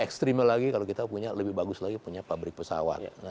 ekstrim lagi kalau kita punya lebih bagus lagi punya pabrik pesawat